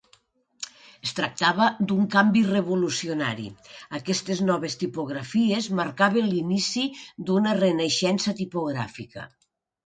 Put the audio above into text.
Es tractava d'un canvi revolucionari, aquestes noves tipografies marcaven l'inici d'una renaixença tipogràfica.